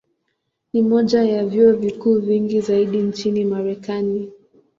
Ni moja ya vyuo vikuu vingi zaidi nchini Marekani.